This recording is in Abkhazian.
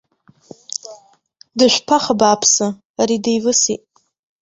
Дышәԥах, абааԥсы, ари деивысит!